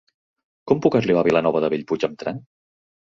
Com puc arribar a Vilanova de Bellpuig amb tren?